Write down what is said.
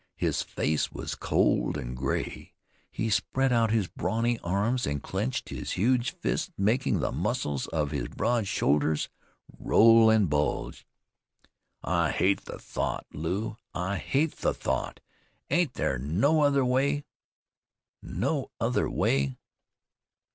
His face was cold and gray. He spread out his brawny arms and clenched his huge fists, making the muscles of his broad shoulders roll and bulge. "I hate the thought, Lew, I hate the thought. Ain't there no other way?" "No other way."